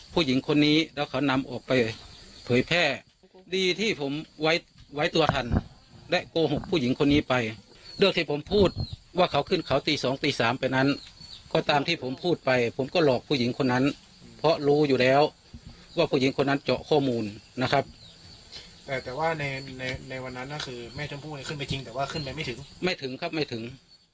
ผู้หญิงคนนี้แล้วเขานำออกไปเผยแพร่ดีที่ผมไว้ไว้ตัวทันและโกหกผู้หญิงคนนี้ไปเรื่องที่ผมพูดว่าเขาขึ้นเขาตีสองตีสามไปนั้นก็ตามที่ผมพูดไปผมก็หลอกผู้หญิงคนนั้นเพราะรู้อยู่แล้วว่าผู้หญิงคนนั้นเจาะข้อมูลนะครับแต่ว่าในในวันนั้นก็คือแม่ชมพู่ให้ขึ้นไปจริงแต่ว่าขึ้นไปไม่ถึงไม่ถึงครับไม่ถึง